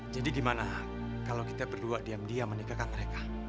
jadi gimana kalau kita berdua diam diam menikahkan mereka